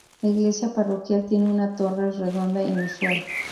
La iglesia parroquial tiene una torre redonda inusual.